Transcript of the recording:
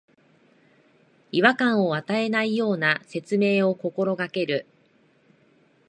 違和感を与えないような説明を心がける